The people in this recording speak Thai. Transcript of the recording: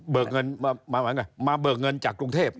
เบิกเงินมามาเบิกเงินมาเบิกเงินจากกรุงเทพฯ